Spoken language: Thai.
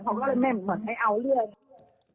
เขาก็เลยไม่เหมือนให้เอาเรื่อง